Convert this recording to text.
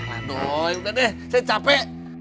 adoy udah deh saya capek